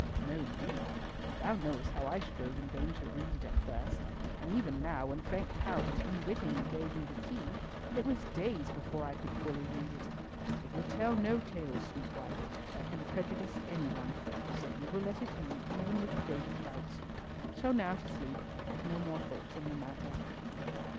"No, indeed. Thou knowest how I strove in vain to read it at first, and even now, when Frank Talbot unwittingly gave me the key, it was days before I could fully read it. It will tell no tales, sweet wife, that can prejudice any one, so we will let it be, even with the baby clouts. So now to sleep, with no more thoughts on the matter."